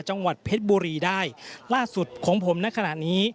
จังหวัดเพชรบุรีได้ล่าสุดของผมในขณะนี้